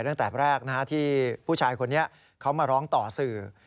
ตั้งแต่แรกที่ผู้ชายคนนี้เขามาร้องต่อสื่อ